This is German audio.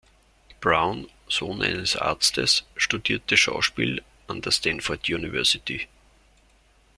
Brown, Sohn eines Arztes, studierte Schauspiel an der Stanford University.